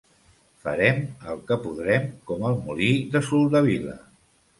Farem el que podrem, com el molí de Soldevila.